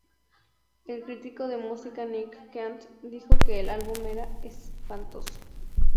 El crítico de música Nick Kent dijo que el álbum era "espantoso".